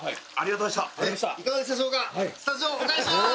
スタジオお返しします。